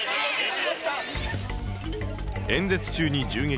演説中に銃撃。